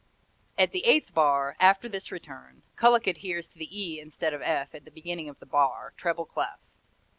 At the eighth bar, after this return, Kullak adheres to the E instead of F at the beginning of the bar, treble clef.